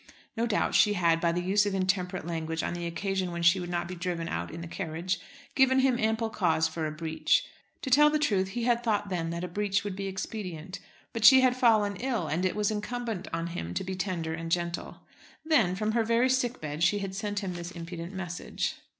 No doubt she had, by the use of intemperate language on the occasion when she would not be driven out in the carriage, given him ample cause for a breach. To tell the truth, he had thought then that a breach would be expedient. But she had fallen ill, and it was incumbent on him to be tender and gentle. Then, from her very sick bed, she had sent him this impudent message.